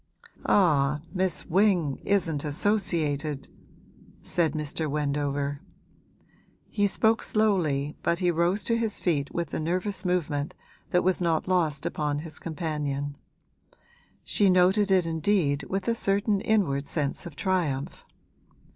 'Ah, Miss Wing isn't associated ' said Mr. Wendover. He spoke slowly, but he rose to his feet with a nervous movement that was not lost upon his companion: she noted it indeed with a certain inward sense of triumph.